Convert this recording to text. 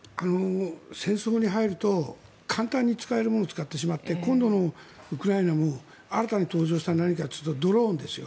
戦争に入ると簡単に使えるものを使ってしまって今度のウクライナも新たに登場したのは何かっていうとドローンですよ。